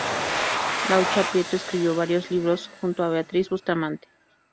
Laucha Prieto escribió varios libros junto a Beatriz Bustamante.